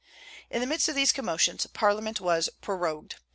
In the midst of these commotions Parliament was prorogued.